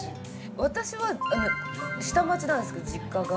私は下町なんですけど実家が。